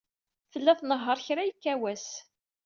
Tella tnehheṛ kra yekka wass.